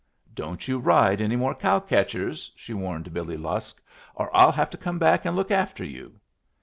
"Don't you ride any more cow catchers," she warned Billy Lusk, "or I'll have to come back and look after you."